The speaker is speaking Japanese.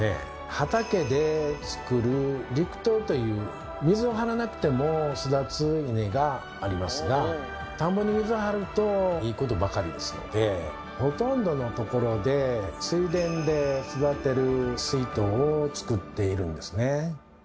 畑で作る「陸稲」という水を張らなくても育つイネがありますが田んぼに水を張るといいことばかりですのでほとんどのところで水田で育てる「水稲」を作っているんですね。